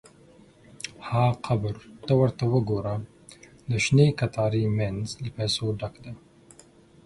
– ها قبر! ته ورته وګوره، د شنې کتارې مینځ له پیسو ډک دی.